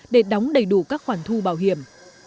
để đóng đầy đủ các khoản thu bảo hiểm